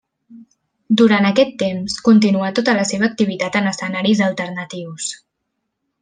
Durant aquest temps continuà tota la seva activitat en escenaris alternatius.